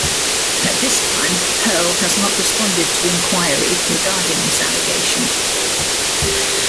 At this time Herle has not responded to inquiry regarding this allegation.